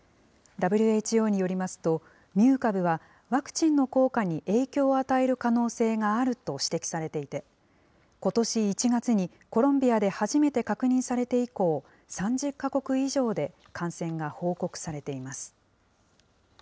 ＷＨＯによりますと、ミュー株はワクチンの効果に影響を与える可能性があると指摘されていて、ことし１月にコロンビアで初めて確認されて以降、３０か国以上で感染が報告されています。